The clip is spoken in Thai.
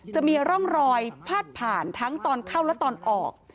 จะมีร่องรอยพาดผ่านทั้งตอนเข้าและตอนออก